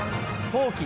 冬季